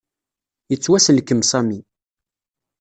Yettwasselkem Sami.